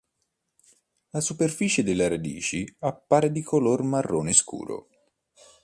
La superficie delle radici appare di color marrone scuro.